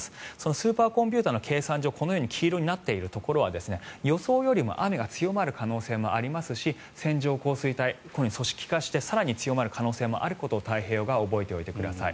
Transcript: スーパーコンピューターの計算上黄色になっているところは予想よりも雨が強まる可能性もありますし線状降水帯が組織化して更に強まる可能性があることを太平洋側は覚えておいてください。